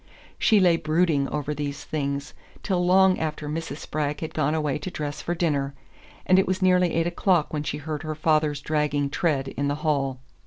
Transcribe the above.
She lay brooding over these things till long after Mrs. Spragg had gone away to dress for dinner, and it was nearly eight o'clock when she heard her father's dragging tread in the hall.